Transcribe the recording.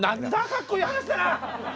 かっこいい話だな。